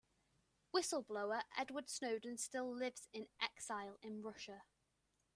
Whistle-blower Edward Snowden still lives in exile in Russia.